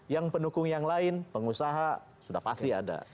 yang pendukung yang lain pengusaha sudah pasti ada